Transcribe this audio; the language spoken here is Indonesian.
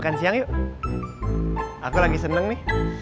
nanti aja aku ceritain disana